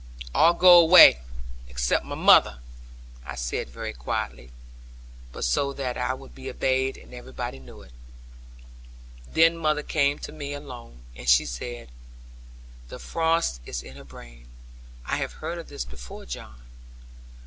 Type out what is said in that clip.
'All go away, except my mother,' I said very quietly, but so that I would be obeyed; and everybody knew it. Then mother came to me alone; and she said, 'The frost is in her brain; I have heard of this before, John.'